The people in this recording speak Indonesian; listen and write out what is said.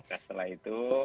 nah setelah itu